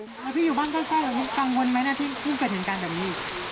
แล้วพี่อยู่บ้านใกล้กังวลไหมนะพี่พูดเกิดเห็นการแบบนี้